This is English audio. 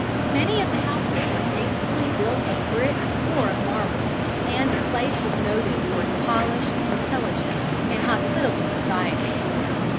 Many of the houses were tastefully built of brick or of marble, and the place was noted for its polished, intelligent, and hospitable society.